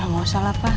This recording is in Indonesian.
gak usah lah pak